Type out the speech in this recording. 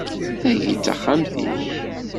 Tagi d taxxamt-ik?